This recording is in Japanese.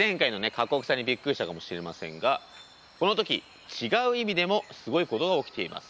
過酷さにびっくりしたかもしれませんがこの時違う意味でもすごいことが起きています。